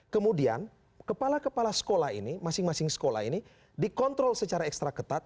kemudian kepala kepala sekolah ini masing masing sekolah ini dikontrol secara ekstra ketat